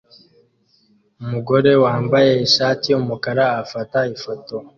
Umugore wambaye ishati yumukara afata ifoto